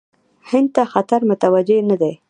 هند ته خطر متوجه نه دی.